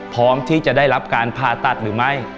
พร้อมที่จะได้รับการผ่าตัดหรือไม่